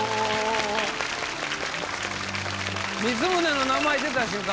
光宗の名前出た瞬間